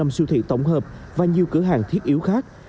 hai mươi năm siêu thị tổng hợp và nhiều cửa hàng thiết yếu khác